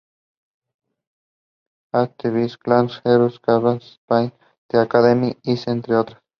At The Disco, Gym Class Heroes, Cobra Starship, The Academy Is... entre otras.